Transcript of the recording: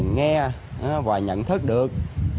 nghe và nhận thức được